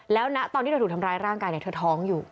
แล้วณตอนที่เธอถูกทำร้ายร่างกายเธอท้องอยู่